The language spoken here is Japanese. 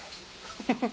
フフフ。